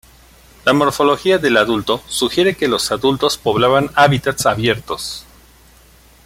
La morfología del adulto sugiere que los adultos poblaban hábitats abiertos.